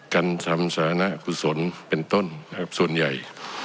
กันทำสารณกุศลเป็นต้นนะครับส่วนใหญ่